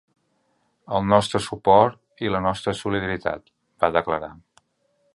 El nostre suport i la nostra solidaritat, va declarar.